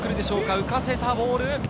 浮かせたボール。